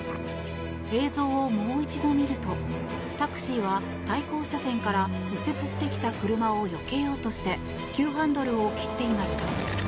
映像を、もう一度見るとタクシーは対向車線から右折してきた車をよけようとして急ハンドルを切っていました。